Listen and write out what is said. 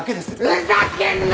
ふざけんな！